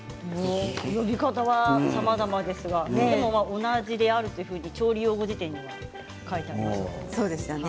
呼び方はさまざまですがでも同じであると調理用語辞典には書いてありました。